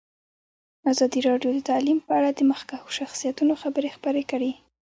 ازادي راډیو د تعلیم په اړه د مخکښو شخصیتونو خبرې خپرې کړي.